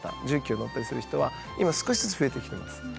重機を乗ったりする人は今少しずつ増えてきてます。